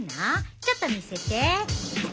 ちょっと見せて。